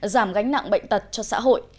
giảm gánh nặng bệnh tật cho xã hội